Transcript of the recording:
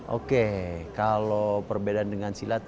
oke kalau perbedaan dengan silat